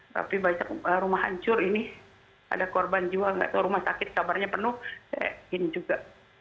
tapi rumah hancur ini ada korban jiwa rumah sakit kabarnya penuh kayak gini juga